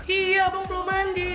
iya bang belum mandi